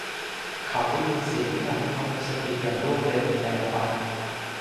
เขาได้ยินเสียงที่ทำให้เขามีสติอย่างรวดเร็วในแต่ละวัน